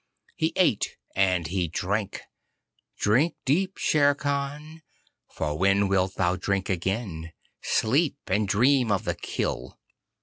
He ate and he drank. Drink deep, Shere Khan, for when wilt thou drink again? Sleep and dream of the kill.